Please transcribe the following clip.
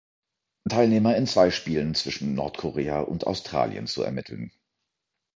Teilnehmer in zwei Spielen zwischen Nordkorea und Australien zu ermitteln.